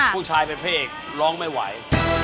ผู้ชายเป็นพระเอกร้องไม่ไหว